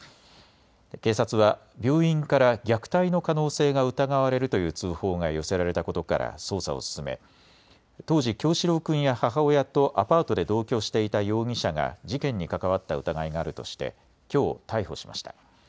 警察は病院から虐待の可能性が疑われるという通報が寄せられたことから捜査を進め当時、叶志郎君や母親とアパートで同居していた容疑者が事件に関わった疑いがあるとしてきょう逮捕しました。